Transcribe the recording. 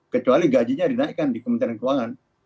kecuali gajinya dinaikkan di kementerian keuangan